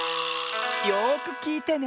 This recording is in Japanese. よくきいてね。